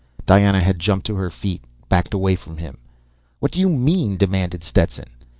"_ Diana had jumped to her feet, backed away from him. "What do you mean?" demanded Stetson.